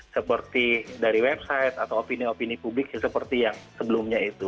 seperti dari website atau opini opini publik seperti yang sebelumnya itu